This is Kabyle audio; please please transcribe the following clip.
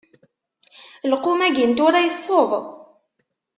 Lqum-agi n tura yesseḍ.